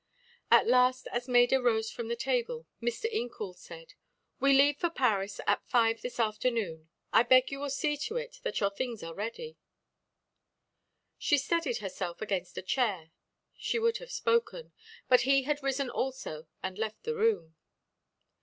At last as Maida rose from the table Mr. Incoul said: "We leave for Paris at five this afternoon. I beg you will see to it that your things are ready." She steadied herself against a chair, she would have spoken, but he had risen also and left the room.